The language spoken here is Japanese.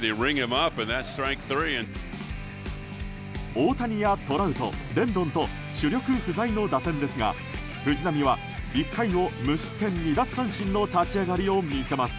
大谷やトラウト、レンドンと主力不在の打線ですが藤浪は１回を無失点２奪三振の立ち上がりを見せます。